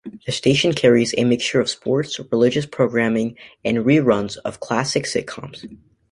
The station carries a mixture of sports, religious programming, and reruns of classic sitcoms.